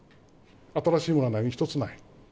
新しいものが何一つない。